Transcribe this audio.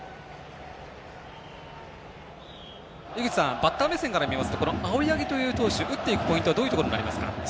バッター目線から見ますと青柳という投手打っていくポイントはどういうところになりますか？